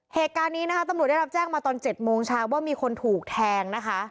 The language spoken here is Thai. เหตุการณ์นี้นะคะตำรวจได้รับแจ้งมาตอน๗โมงเช้าว่ามีคนถูกแทงนะคะ